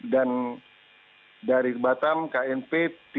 dan dari batam knp tiga ratus enam puluh tujuh